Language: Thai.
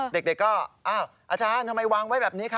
เด็กก็อ้าวอาจารย์ทำไมวางไว้แบบนี้คะ